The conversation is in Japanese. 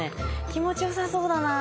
気持ちよさそうだな。